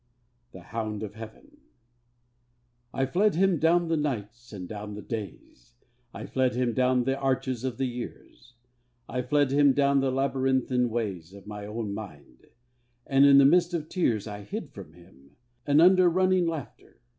THE HOUND OF HEAVEN I fled Him, down the nights and down the days; I fled Him down the arches of the years; I fled Him, down the labyrinthine ways Of my own mind; and in the mist of tears I hid from Him, and under running laughter.